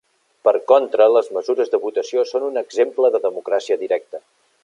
Per contra, les mesures de votació són un exemple de democràcia directa.